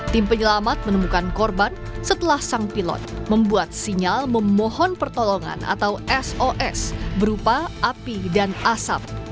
tim penyelamat menemukan korban setelah sang pilot membuat sinyal memohon pertolongan atau sos berupa api dan asap